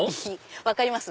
分かります？